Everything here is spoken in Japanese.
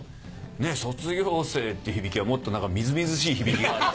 卒業生って響きはもっと何かみずみずしい響きが。